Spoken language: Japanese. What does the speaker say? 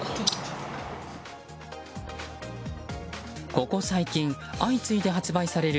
ここ最近、相次いで発売される